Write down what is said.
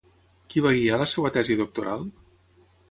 Qui va guiar la seva tesi doctoral?